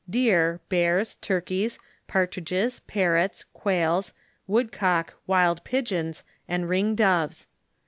l does, deor, bears, turkeys, partridges, parrots, quails, wood cock, wild pigeons, and ring doves.